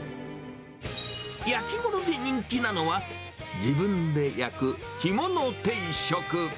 焼き物で人気なのは、自分で焼く干物定食。